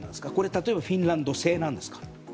例えば、これはフィンランド製ですか？